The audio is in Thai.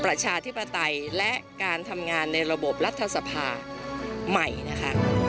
ประชาธิปไตยและการทำงานในระบบรัฐสภาใหม่นะคะ